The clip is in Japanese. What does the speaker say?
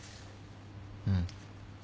うん。